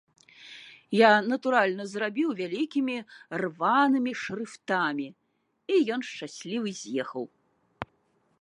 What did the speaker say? Я, натуральна, зрабіў вялікім рваным шрыфтам, і ён, шчаслівы, з'ехаў.